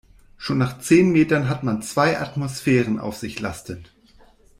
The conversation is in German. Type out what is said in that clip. Schon nach zehn Metern hat man zwei Atmosphären auf sich lastend.